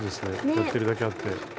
やってるだけあって。